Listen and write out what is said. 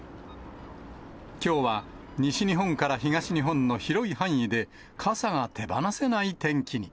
きょうは西日本から東日本の広い範囲で、傘が手放せない天気に。